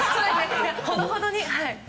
ほどほどに。